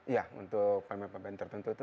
ya untuk pemain pemain tertentu itu